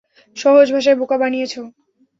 সহজ ভাষায়, বোকা বানিয়েছো।